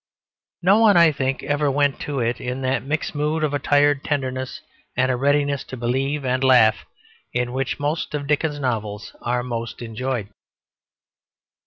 No one I think ever went to it in that mixed mood of a tired tenderness and a readiness to believe and laugh in which most of Dickens's novels are most enjoyed.